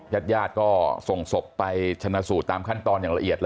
ญาติญาติก็ส่งศพไปชนะสูตรตามขั้นตอนอย่างละเอียด